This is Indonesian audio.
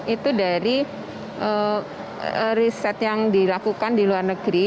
itu dari riset yang dilakukan di luar negeri